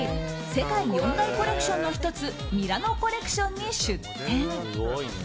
世界四大コレクションの１つミラノコレクションに出展。